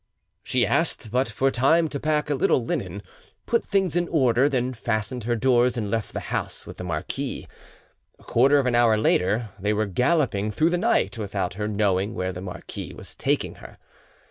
She asked but for time to pack a little linen, put things in order, then fastened her doors, and left the house with the marquis. A quarter of an hour later they were galloping through the night, without her knowing where the marquis was taking her.